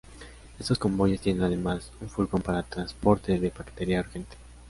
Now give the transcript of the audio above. Estos convoyes tienen además un furgón para transporte de paquetería urgente.